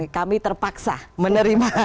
kami terpaksa menerima